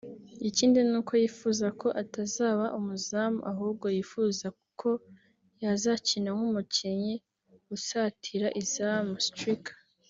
Ikindi ni uko yifuza ko atazaba umuzamu ahubwo yifuza ko yazakina nk'umukinnyi usatira izamu (striker)